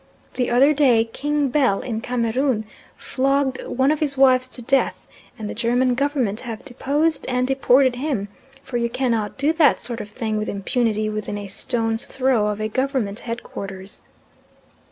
The other day King Bell in Cameroon flogged one of his wives to death, and the German Government have deposed and deported him, for you cannot do that sort of thing with impunity within a stone's throw of a Government head quarters.